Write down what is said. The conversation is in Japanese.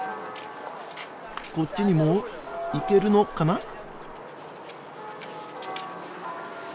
こっちにも行けるのかな？